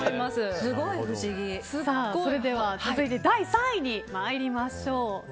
それでは続いて第３位に参りましょう。